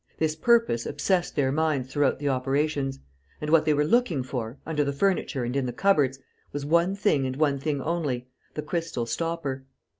This purpose obsessed their minds throughout the operations; and what they were looking for, under the furniture and in the cupboards, was one thing and one thing alone: the crystal stopper.